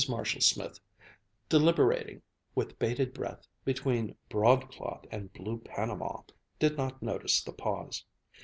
Marshall Smith, deliberating with bated breath between broadcloth and blue panama, did not notice the pause.